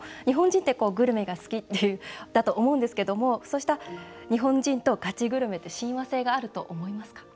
日本人ってグルメが好きだと思うんですけど日本人とガチグルメって親和性があると思いますか？